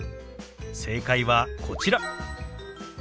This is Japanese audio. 正解はこちら。